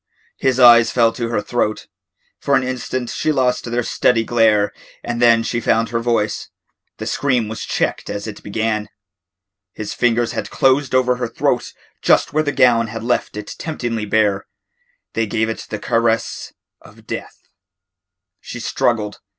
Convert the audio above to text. His eyes fell to her throat. For an instant she lost their steady glare and then she found her voice. The scream was checked as it began. His fingers had closed over her throat just where the gown had left it temptingly bare. They gave it the caress of death. She struggled.